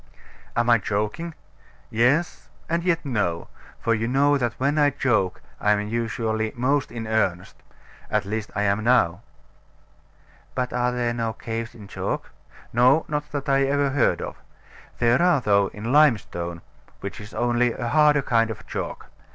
Am I joking? Yes, and yet no; for you know that when I joke I am usually most in earnest. At least, I am now. But there are no caves in chalk? No, not that I ever heard of. There are, though, in limestone, which is only a harder kind of chalk.